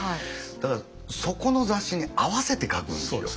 だからそこの雑誌に合わせて書くんですよ。